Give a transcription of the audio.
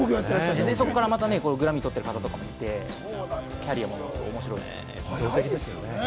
そこからまたグラミー取ってる方とかもいて、キャリアも面白いですよね。